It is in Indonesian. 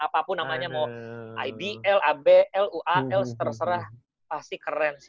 apapun namanya mau ibl abl ual seterserah pasti keren sih